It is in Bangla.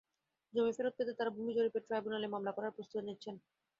জমি ফেরত পেতে তাঁরা ভূমি জরিপ ট্রাইব্যুনালে মামলা করার প্রস্তুতি নিচ্ছেন।